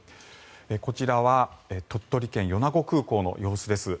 こちらは鳥取県・米子空港の様子です。